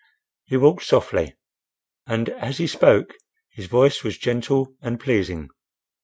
He walked softly, and as he spoke his voice was gentle and pleasing.